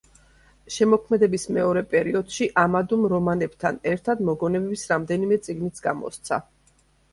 შემოქმედების მეორე პერიოდში ამადუმ რომანებთან ერთად, მოგონებების რამდენიმე წიგნიც გამოსცა.